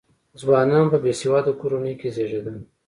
ځوانان په بې سواده کورنیو کې زېږېدل.